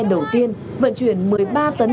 đầu tiên vận chuyển một mươi ba tấn